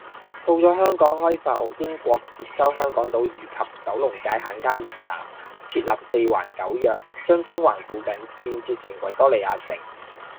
到咗香港開埠，英國接收香港島以及九龍界限街以南，設立四環九約，將中環附近建設成維多利亞城